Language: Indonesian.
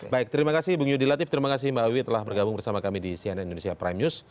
baik terima kasih bung yudi latif terima kasih mbak wiwi telah bergabung bersama kami di cnn indonesia prime news